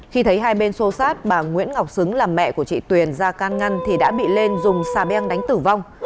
khi thấy hai bên xô sát bà nguyễn ngọc xứng là mẹ của chị tuyền ra can ngăn thì đã bị lên dùng xà beng đánh tử vong